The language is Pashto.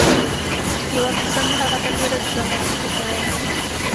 یوه کیسه مې هغه ته ډېره ډراماتيکه کوله